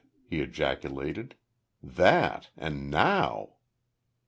he ejaculated. "That and now!"